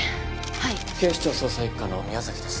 はい警視庁捜査一課の宮崎です